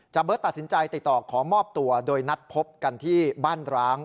เบิร์ตตัดสินใจติดต่อขอมอบตัวโดยนัดพบกันที่บ้านร้าง